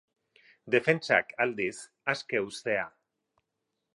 Defentsak, aldiz, aske uztea.